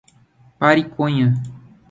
Pariconha